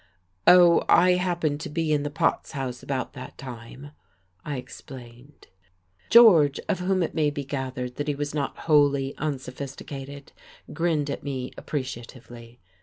"Oh, I happened to be in the Potts House about that time," I explained. George, of whom it may be gathered that he was not wholly unsophisticated, grinned at me appreciatively.